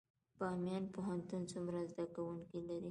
بامیان پوهنتون څومره زده کوونکي لري؟